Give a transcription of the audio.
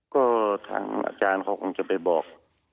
ก็ทางอาจารย์เขาคงจะไปบอก